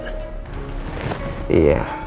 sayang sekali ya pak